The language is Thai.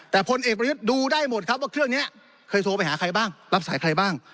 แต่พลเอกประยุทธ์ดูได้หมดครับว่าเครื่องนี้เคยโทรไปหาใครบ้างรับสายใครบ้าง